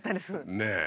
ねえ。